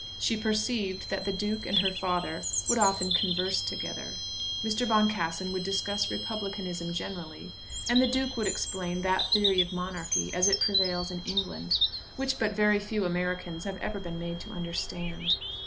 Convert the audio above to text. She perceived that the Duke and her father would often converse together. Mr. Boncassen would discuss republicanism generally, and the Duke would explain that theory of monarchy as it prevails in England, which but very few Americans have ever been made to understand.